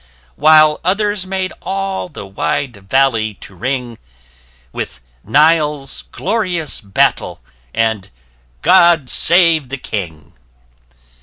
While others made all the wide valley to ring, With "Nile's Glorious Battle," and "God Save the King."